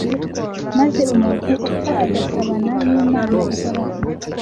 maze umuntu upfa agasabana n’Imana ihoraho